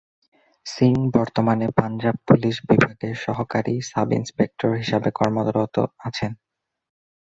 সিং বর্তমানে পাঞ্জাব পুলিশ বিভাগে সহকারী সাব ইন্সপেক্টর হিসাবে কর্মরত আছেন।